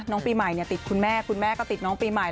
น้องปีใหม่ติดคุณแม่คุณแม่ก็ติดน้องปีใหม่